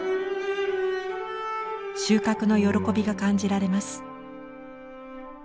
収穫の喜びが感じられます。